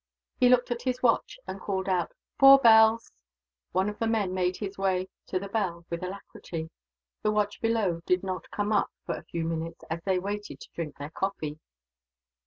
He looked at his watch, and called out, "four bells." One of the men made his way to the bell, with alacrity. The watch below did not come up, for a few minutes, as they waited to drink their coffee.